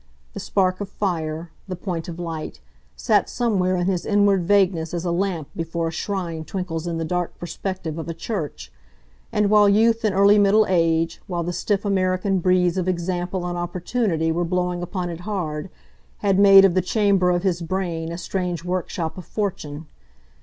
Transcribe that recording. The spark of fire, the point of light, sat somewhere in his inward vagueness as a lamp before a shrine twinkles in the dark perspective of a church; and while youth and early middle age, while the stiff American breeze of example and opportunity were blowing upon it hard, had made of the chamber of his brain a strange workshop of fortune.